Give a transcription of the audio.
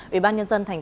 ủy ban nhân dân tp hcm